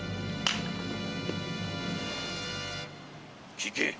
聞け。